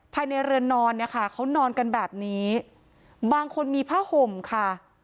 ภายในเรือนนอนเนี่ยค่ะเขานอนกันแบบนี้บางคนมีผ้าห่มค่ะ